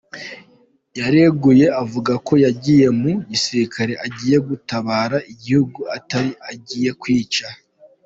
Yireguye avuga ko yagiye mu gisirikare agiye gutabara igihugu atari agiye kwica.